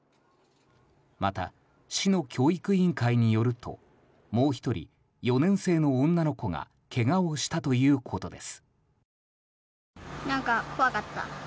また、市の教育委員会によるともう１人４年生の女の子がけがをしたということです。